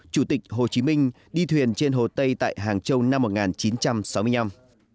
chủ tịch hồ chí minh đi thuyền trên hồ tây tại hàng châu năm một nghìn chín trăm sáu mươi năm